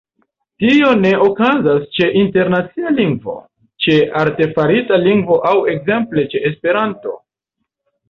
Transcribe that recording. Tio ne okazas ĉe internacia lingvo, ĉe artefarita lingvo aŭ ekzemple ĉe Esperanto.